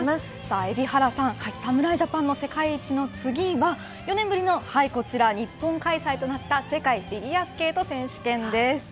海老原さん、侍ジャパンの世界一の次は４年ぶりのこちら、日本開催となった世界フィギュアスケート選手権です。